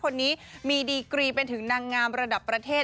คนนี้มีดีกรีเป็นถึงนางงามระดับประเทศ